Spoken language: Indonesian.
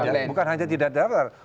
bukan hanya tidak daftar